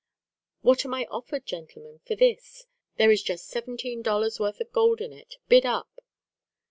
"What am I offered, gentlemen, for this? There is just seventeen dollars' worth of gold in it. Bid up."